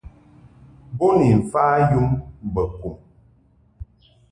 Bo ni mfa yum mbo kum.